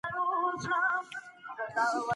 څېړونکی باید تل د نویو معلوماتو په لټه وي.